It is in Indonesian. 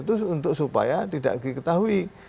itu untuk supaya tidak diketahui